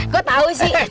gua tau sih